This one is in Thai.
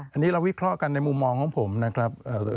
อันนี้เราวิเคราะห์กันในมุมมองของผมนะครับ